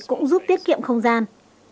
cũng giúp tiết kiệm không gian